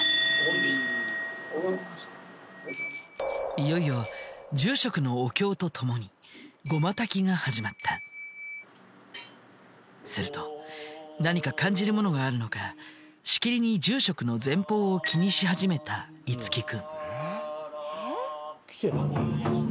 いよいよ住職のお経と共にすると何か感じるものがあるのかしきりに住職の前方を気にし始めた樹君。